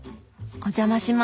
お邪魔します。